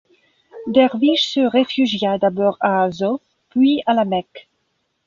Dervish se réfugia d'abord à Azov puis à La Mecque.